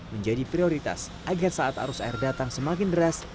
menjadi prioritas agar saat arus air datang semakin deras